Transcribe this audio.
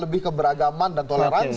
lebih keberagaman dan toleransi